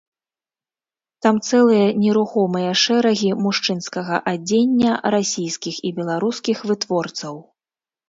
Там цэлыя нерухомыя шэрагі мужчынскага адзення, расійскіх і беларускіх вытворцаў.